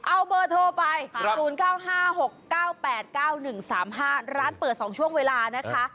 เอาเบอร์โทรไป๐๙๕๖๙๘๙๑๓๕ร้านเปิด๒ช่วงเวลานะคะ